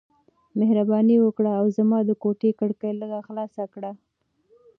مهرباني وکړه او زما د کوټې کړکۍ لږ خلاص کړه.